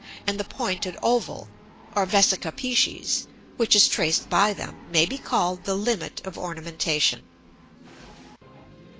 and the pointed oval, or vesica piscis, which is traced by them, may be called the Limit of ornamentation.